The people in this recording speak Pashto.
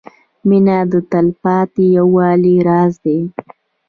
• مینه د تلپاتې یووالي راز دی.